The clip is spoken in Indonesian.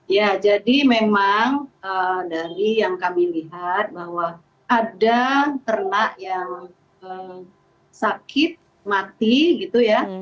ya jadi memang dari yang kami lihat bahwa ada ternak yang sakit mati gitu ya